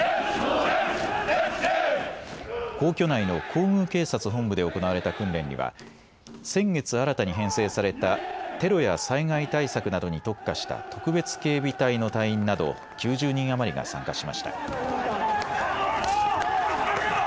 皇居内の皇宮警察本部で行われた訓練には先月新たに編成されたテロや災害対策などに特化した特別警備隊の隊員など９０人余りが参加しました。